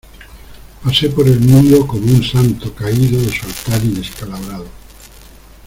pasé por el mundo como un santo caído de su altar y descalabrado.